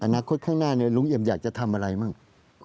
อนาคตข้างหน้าลุงเอี่ยมอยากจะทำอะไรบ้าง